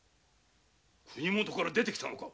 国もとから出て来たのか？